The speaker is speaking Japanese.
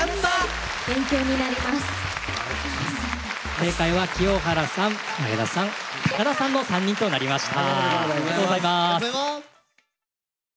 正解は清原さん前田さん田さんの３人となりました。